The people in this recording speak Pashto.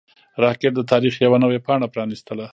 راکټ د تاریخ یوه نوې پاڼه پرانیسته